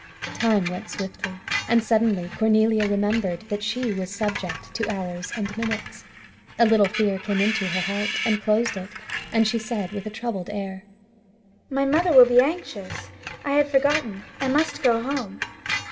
Time went swiftly, and suddenly Cornelia remembered that she was subject to hours and minutes, A little fear came into her heart, and closed it, and she said, with a troubled air, "My mother will be anxious. I had forgotten. I must go home."